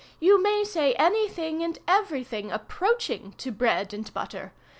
You may say any thing and every thing approaching to 'bread and butter.